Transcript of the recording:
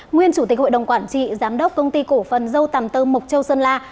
nguyên chủ tịch hội đồng quản trị giám đốc công ty cổ phần dâu tầm tơ mộc châu sơn la